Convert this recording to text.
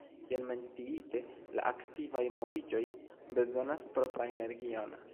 Kiel menciite, la aktivaj moviĝoj bezonas propran energion.